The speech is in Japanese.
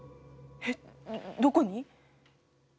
えっどこに？